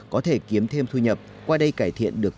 có thể kiếm thêm thu nhập qua đây cải thiện được